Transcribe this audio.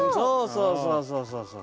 そうそうそうそうそう。